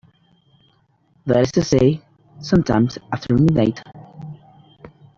That is to say, some time after midnight.